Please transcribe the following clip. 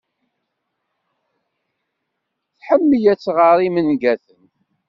Tḥemmel ad tɣer imangaten.